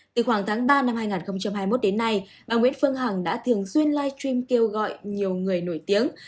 từ khoảng tháng ba năm hai nghìn hai mươi một đến nay bà nguyễn phương hằng đã thường xuyên live stream kêu gọi nhiều người nổi tiếng